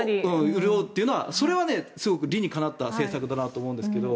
潤うというのはそれはすごく理にかなった政策だと思うんですけど。